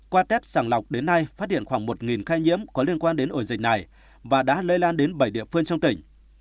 qua test sàng lọc đến nay phát hiện khoảng một ca nhiễm có liên quan đến ổ dịch này và đã lây lan đến bảy địa phương trong tỉnh